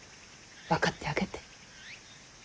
分かってあげて。